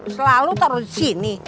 selalu taruh di sini